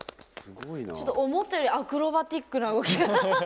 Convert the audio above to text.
ちょっと思ったよりアクロバティックな動きが。